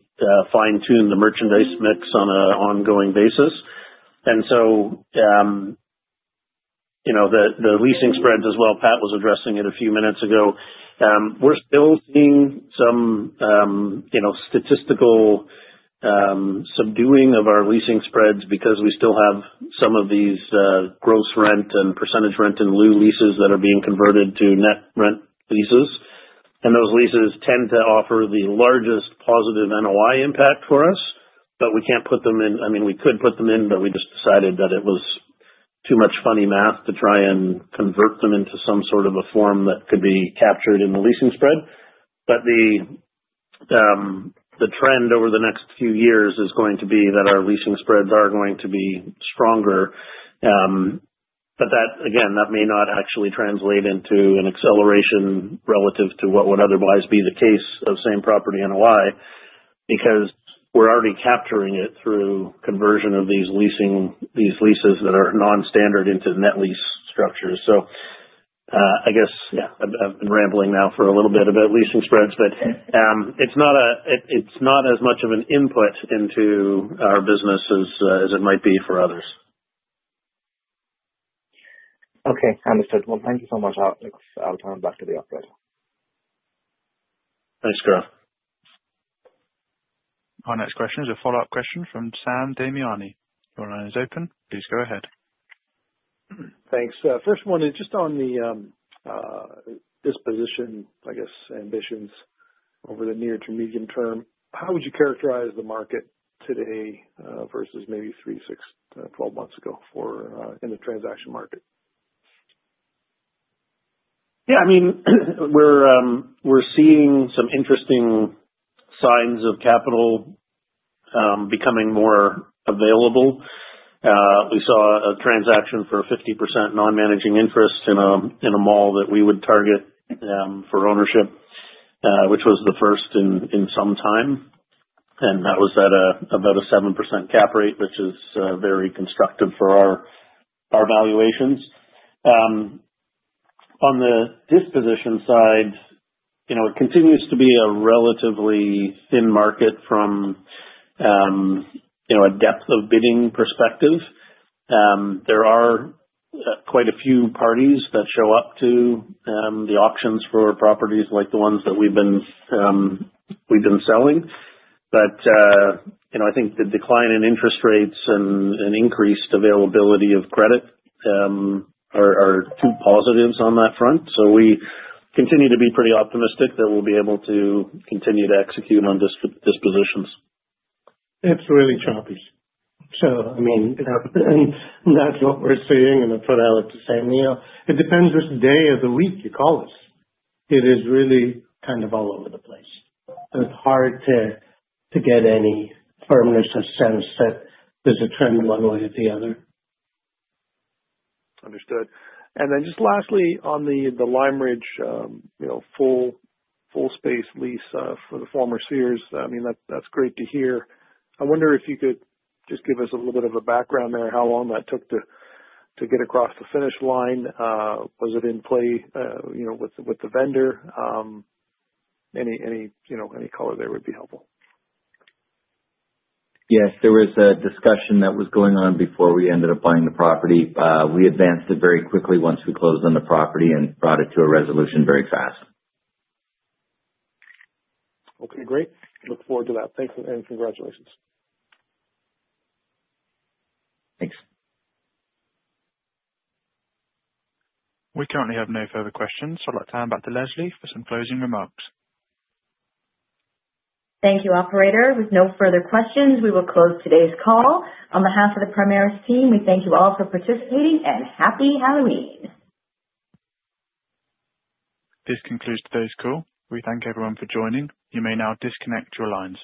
Speaker 3: fine-tune the merchandise mix on an ongoing basis. And so the leasing spreads as well, Pat was addressing it a few minutes ago. We're still seeing some statistical subduing of our leasing spreads because we still have some of these gross rent and percentage rent in lieu leases that are being converted to net rent leases. And those leases tend to offer the largest positive NOI impact for us, but we can't put them in. I mean, we could put them in, but we just decided that it was too much funny math to try and convert them into some sort of a form that could be captured in the leasing spread. But the trend over the next few years is going to be that our leasing spreads are going to be stronger. But again, that may not actually translate into an acceleration relative to what would otherwise be the case of same property NOI because we're already capturing it through conversion of these leases that are non-standard into net lease structures. So I guess, yeah, I've been rambling now for a little bit about leasing spreads, but it's not as much of an input into our business as it might be for others.
Speaker 14: Okay. Understood. Well, thank you so much. I'll turn it back to the operator.
Speaker 3: Thanks, Gaurav.
Speaker 1: Our next question is a follow-up question from Sam Damiani. Your line is open. Please go ahead.
Speaker 6: Thanks. First one is just on the disposition, I guess, ambitions over the near to medium term. How would you characterize the market today versus maybe three, six, 12 months ago in the transaction market?
Speaker 3: Yeah. I mean, we're seeing some interesting signs of capital becoming more available. We saw a transaction for 50% non-managing interest in a mall that we would target for ownership, which was the first in some time, and that was at about a 7% cap rate, which is very constructive for our valuations. On the disposition side, it continues to be a relatively thin market from a depth of bidding perspective. There are quite a few parties that show up to the auctions for properties like the ones that we've been selling, but I think the decline in interest rates and increased availability of credit are two positives on that front, so we continue to be pretty optimistic that we'll be able to continue to execute on dispositions.
Speaker 5: It's really choppy, so I mean, that's what we're seeing, and I'll put out to say, it depends which day of the week you call us. It is really kind of all over the place. It's hard to get any firmness or sense that there's a trend one way or the other.
Speaker 6: Understood. And then just lastly, on the Lime Ridge full space lease for the former Sears, I mean, that's great to hear. I wonder if you could just give us a little bit of a background there, how long that took to get across the finish line. Was it in play with the vendor? Any color there would be helpful.
Speaker 4: Yes. There was a discussion that was going on before we ended up buying the property. We advanced it very quickly once we closed on the property and brought it to a resolution very fast.
Speaker 6: Okay. Great. Look forward to that. Thanks, and congratulations.
Speaker 4: Thanks.
Speaker 1: We currently have no further questions. I'd like to hand back to Leslie for some closing remarks.
Speaker 2: Thank you, operator. With no further questions, we will close today's call. On behalf of the Primaris team, we thank you all for participating and happy Halloween.
Speaker 1: This concludes today's call. We thank everyone for joining. You may now disconnect your lines.